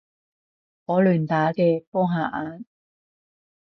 我亂打嘅，幫下眼